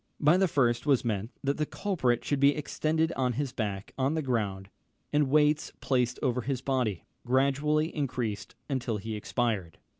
By the first was meant, that the culprit should be extended on his back on the ground, and weights placed over his body, gradually increased, until he expired.